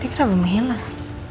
dia kenapa menghilang